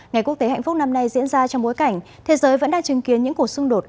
ngày quốc tế hạnh phúc năm nay diễn ra trong bối cảnh thế giới vẫn đang chứng kiến những cuộc xung đột